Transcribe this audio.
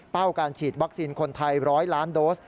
การฉีดวัคซีนคนไทย๑๐๐ล้านโดส